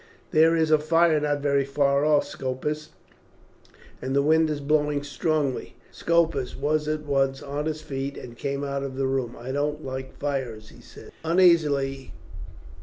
"There is a fire not very far off, Scopus, and the wind is blowing strongly." Scopus was at once on his feet and came out into the room. "I don't like fires," he said uneasily.